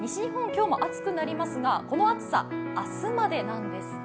今日も暑くなりますがこの暑さ明日までなんです。